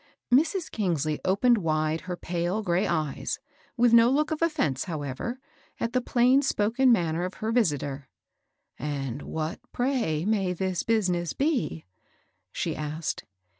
Mrs. Eingsley opened wide her pale gray eyes, — with no look of offence, however, — at the plaiuHspoken manner of her visitor. " And what, pray, may this business be ?" she asked.